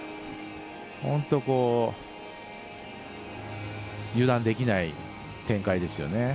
本当に油断できない展開ですよね。